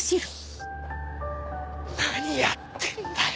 何やってんだよ？